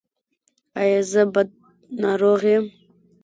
ایا زه بد ناروغ یم؟